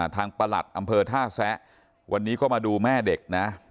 ประหลัดอำเภอท่าแซะวันนี้ก็มาดูแม่เด็กนะ